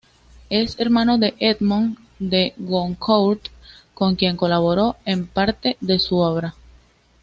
Es hermano de Edmond de Goncourt, con quien colaboró en parte de su obra.